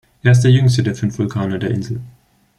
Er ist der jüngste der fünf Vulkane der Insel.